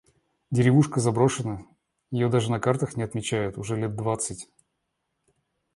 Деревушка заброшена. Ее даже на картах не отмечают уже лет двадцать.